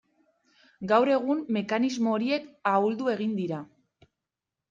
Gaur egun mekanismo horiek ahuldu egin dira.